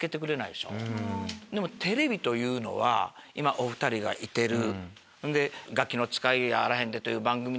でもテレビというのは今お２人がいてる。